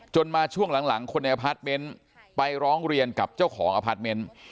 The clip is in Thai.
มาช่วงหลังคนในอพาร์ทเมนต์ไปร้องเรียนกับเจ้าของอพาร์ทเมนต์